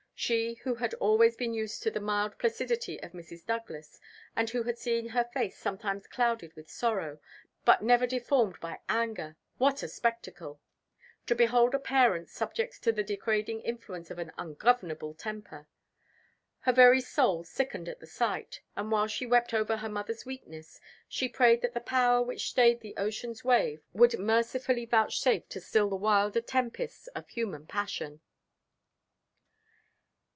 She who had always been used to the mild placidity of Mrs. Douglas, and who had seen her face sometimes clouded with sorrow, but never deformed by anger what a spectacle! To behold a parent subject to the degrading influence of an ungovernable temper! Her very soul sickened at the sight; and while she wept over her mother's weakness, she prayed that the Power which stayed the ocean's wave would mercifully vouchsafe to still the wilder tempests of human passion.